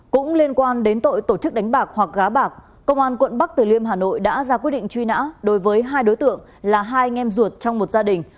cũng liên quan đến tội tổ chức đánh bạc hoặc gá bạc công an quận bắc từ liêm hà nội đã ra quyết định truy nã đối với hai đối tượng là hai anh em ruột trong một gia đình